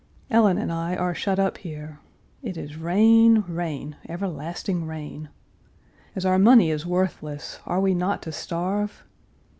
Ellen and I are shut up here. It is rain, rain, everlasting rain. As our money is worthless, are we not to starve?